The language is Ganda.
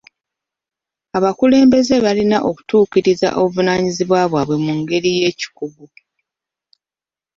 Abakulembeze balina okutuukiriza obuvunaanyizibwa bwabwe mu ngeri y'ekikugu.